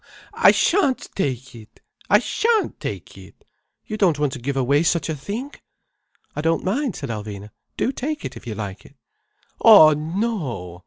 I shan't take it! I shan't take it. You don't want to give away such a thing." "I don't mind," said Alvina. "Do take it if you like it." "Oh no!